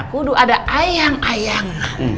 kudu ada ayang ayang